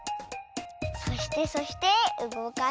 そしてそしてうごかすと。